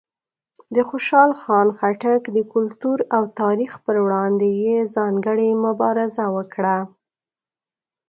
د خوشحال خان خټک د کلتور او تاریخ پر وړاندې یې ځانګړې مبارزه وکړه.